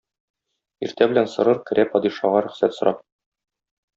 Иртә белән Сорыр керә падишага рөхсәт сорап.